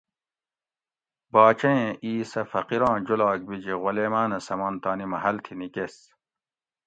باچہ ایں اِیسہ فقیراں جولاگ بِیجی غُلیماٞنہ سمان تانی محل تھی نِکیس